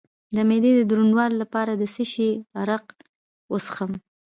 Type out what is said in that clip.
د معدې د دروندوالي لپاره د څه شي عرق وڅښم؟